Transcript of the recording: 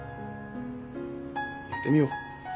やってみよう。